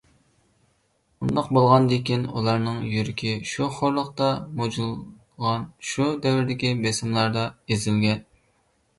ئۇنداق بولغاندىكىن، ئۇلارنىڭ يۈرىكى شۇ خورلۇقتا مۇجۇلغان، شۇ دەۋردىكى بېسىملاردا ئېزىلگەن.